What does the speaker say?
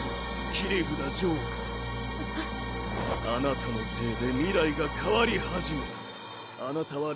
あなたのせいで未来が変わり始めた。